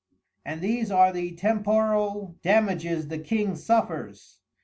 And these are the Temporal Dammages the King suffers.